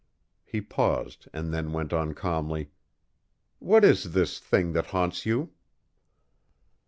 He paused and then went on calmly, "What is this thing that haunts you?"